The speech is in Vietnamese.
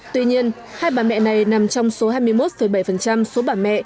tuy nhiên hai bà mẹ này nằm trong số hai mươi một bảy số bà mẹ